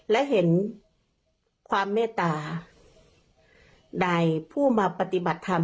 และเห็นความเมตตาในผู้มาปฏิบัติธรรม